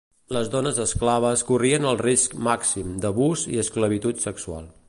Les dones esclaves corrien el risc màxim d'abús i esclavitud sexual.